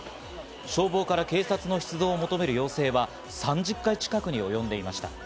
消防から警察の出動を求める要請は３０回近くにおよんでいました。